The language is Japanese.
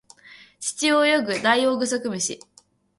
地中を泳ぐダイオウグソクムシ